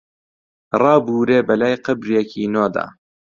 ڕابوورێ بەلای قەبرێکی نۆدا